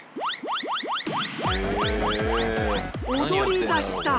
踊りだした！